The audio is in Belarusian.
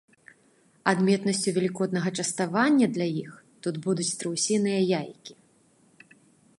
Адметнасцю велікоднага частавання для іх тут будуць страусіныя яйкі.